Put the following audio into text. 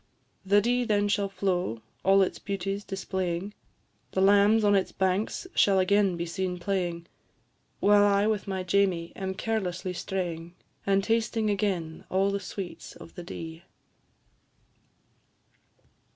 The Dee then shall flow, all its beauties displaying, The lambs on its banks shall again be seen playing, While I with my Jamie am carelessly straying, And tasting again all the sweets of the Dee.